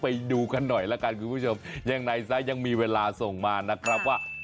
ไปดูกันหน่อยละกันคุณผู้ชมยังไงซะยังมีเวลาส่งมานะครับว่า